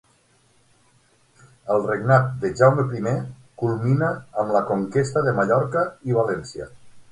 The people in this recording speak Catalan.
El regnat de Jaume primer culminà amb la conquesta de Mallorca i València.